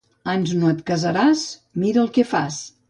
Ans no et casaràs, mira el que fas.